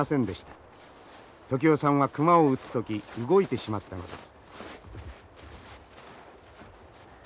時男さんは熊を撃つ時動いてしまったのです。